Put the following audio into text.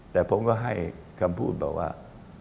แต่ผมก็ให้คำพูดบอกว่า